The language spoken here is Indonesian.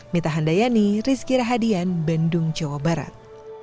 mita handayani rizky rahadian bandung jawa barat